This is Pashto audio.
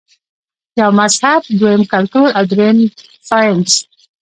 يو مذهب ، دويم کلتور او دريم سائنس -